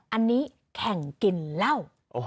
อันนี้แข่งกินเหล้า